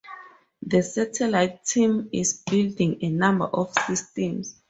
The satellite team is building a number of systems.